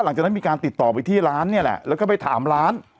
หลังจากนั้นมีการติดต่อไปที่ร้านเนี่ยแหละแล้วก็ไปถามร้าน